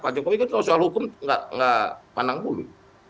pak jokowi kan soal hukum enggak pandang dulu